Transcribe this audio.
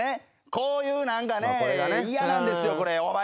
こういう何かね嫌なんですよこれ。